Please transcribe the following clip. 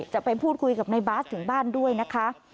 จะไปพูดคุยกับในบาสถึงบ้านด้วยนะคะ